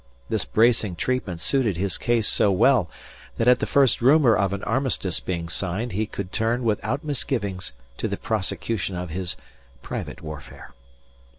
This bracing treatment suited his case so well that at the first rumour of an armistice being signed he could turn without misgivings to the prosecution of his private warfare.